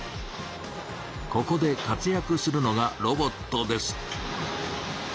ここで活やくするのがロボットです。